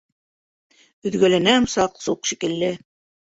Өҙгөләнәм Саҡ-Суҡ шикелле.